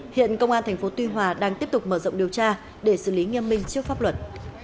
hiện công an tp tuy hòa đang tiếp tục mở rộng điều tra để xử lý nghiêm minh trước pháp luật